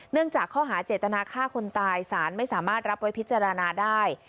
จากข้อหาเจตนาฆ่าคนตายสารไม่สามารถรับไว้พิจารณาได้